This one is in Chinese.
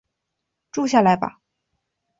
住下来吧